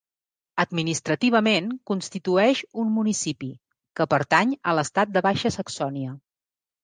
Administrativament constitueix un municipi, que pertany a l'estat de Baixa Saxònia.